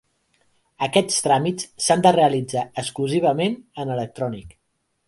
Aquests tràmits s'han de realitzar exclusivament en electrònic.